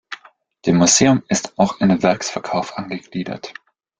Dem Museum ist auch ein Werksverkauf angegliedert.